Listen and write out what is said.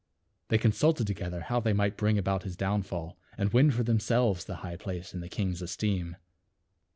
They consulted to gether how they might bring about his downfall, and win for themselves the high place in the king's esteem.